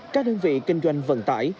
các đơn vị kinh doanh vận tải